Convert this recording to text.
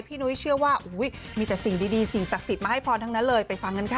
นุ้ยเชื่อว่ามีแต่สิ่งดีสิ่งศักดิ์สิทธิ์มาให้พรทั้งนั้นเลยไปฟังกันค่ะ